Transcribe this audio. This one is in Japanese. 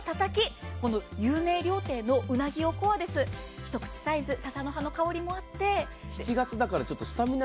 １口サイズ、ささの香りもあって。